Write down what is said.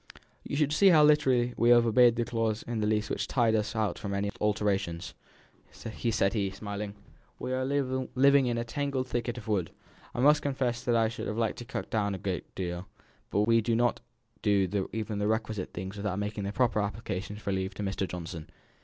"You see how literally we have obeyed the clause in the lease which ties us out from any alterations," said he, smiling. "We are living in a tangled thicket of wood. I must confess that I should have liked to cut down a good deal; but we do not do even the requisite thinnings without making the proper application for leave to Mr. Johnson.